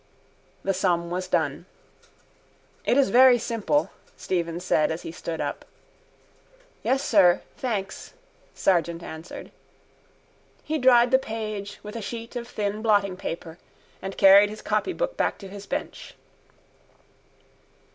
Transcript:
The sum was done. —It is very simple, Stephen said as he stood up. —Yes, sir. Thanks, Sargent answered. He dried the page with a sheet of thin blottingpaper and carried his copybook back to his bench.